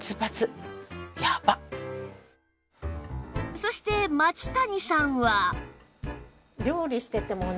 そして松谷さんは